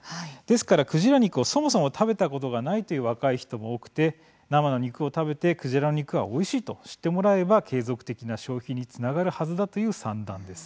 ですから、クジラ肉をそもそも食べたことがないという若い人も多くて生の肉を食べてクジラの肉はおいしいと知ってもらえば継続的な消費につながるはずだという算段です。